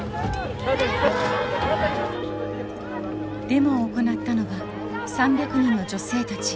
デモを行ったのは３００人の女性たち。